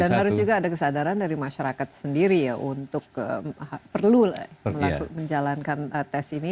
dan harus juga ada kesadaran dari masyarakat sendiri ya untuk perlu menjalankan tes ini